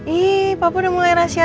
ihh papa udah mulai rahasia rahasiaan